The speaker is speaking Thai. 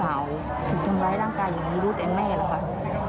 ถูกทำร้ายร่างกายอย่างนี้รู้แต่แม่แล้วค่ะ